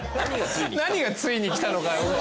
何がついにきたのか。